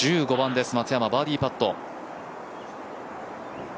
１５番です、松山バーディーパット。